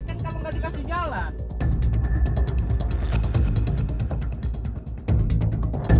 ikan kalau nggak dikasih jalan